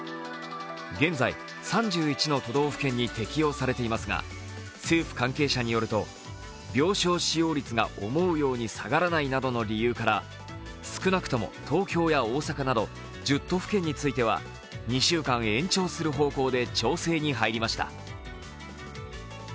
現在、３１の都道府県に適用されていますが政府関係者によると病床使用率が思うように下がらないなどの理由から少なくとも東京や大阪など１０都府県については、２週間延長する方向で調整に入りました。